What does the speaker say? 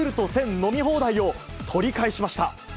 飲み放題を取り返しました。